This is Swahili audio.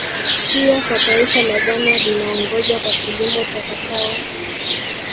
Pia kwa taifa la Ghana linaongoza kwa kilimo cha Kakao